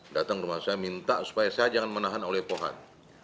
datang ke rumah saya minta supaya saya jangan menahan oleh pohon